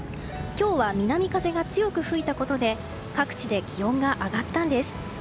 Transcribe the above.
今日は南風が強く吹いたことで各地で気温が上がったんです。